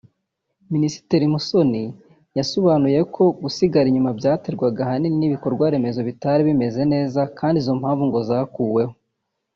Minisitiri Musoni yasobanuye ko gusigara inyuma byaterwaga ahanini n’ibikorwaremezo bitari bimeze neza kandi izo mpamvu ngo zakuweho